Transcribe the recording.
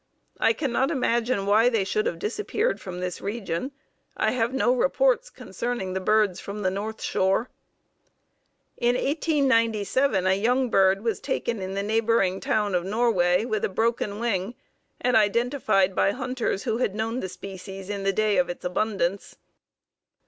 I cannot imagine why they should have disappeared from this region. I have no reports concerning the birds from the north shore. In 1897 a young bird was taken in the neighboring town of Norway with a broken wing and identified by hunters who had known the species in the day of its abundance.